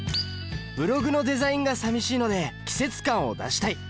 ブログのデザインがさみしいので季節感を出したい！